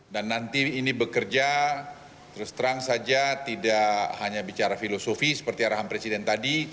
dan nanti ini bekerja terus terang saja tidak hanya bicara filosofi seperti arahan presiden tadi